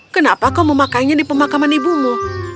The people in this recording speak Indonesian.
kenapa kau memakainya di pemakaman ibumu